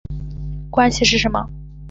关系是什么？